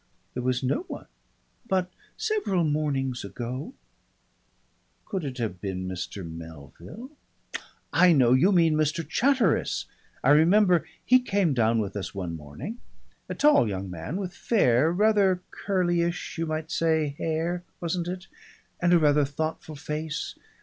_" "There was no one " "But several mornings ago?" "Could it have been Mr. Melville?... I know! You mean Mr. Chatteris! I remember, he came down with us one morning. A tall young man with fair rather curlyish you might say hair, wasn't it? And a rather thoughtful face.